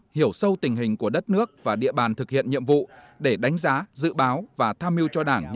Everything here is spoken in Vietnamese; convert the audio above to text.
hiểu sâu tình hình của đất nước và địa bàn thực hiện nhiệm vụ để đánh giá dự báo và tham mưu cho đảng